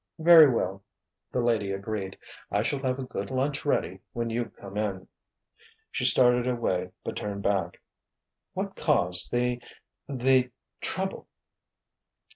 "Very well," the lady agreed. "I shall have a good lunch ready when you come in." She started away, but turned back. "What caused the—the—trouble?"